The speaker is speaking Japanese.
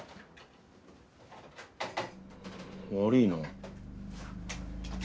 悪いな。